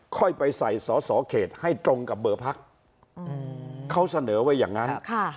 ค่อยไปใส่สอสอเขตให้ตรงกับเบอร์พักเขาเสนอไว้อย่างนั้น